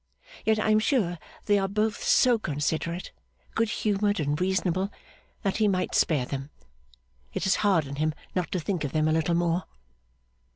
Yet I am sure they are both so considerate, good humoured, and reasonable, that he might spare them. It is hard in him not to think of them a little more.